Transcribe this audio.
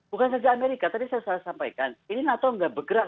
bukan saja amerika tadi saya sudah sampaikan ini nato nggak bergerak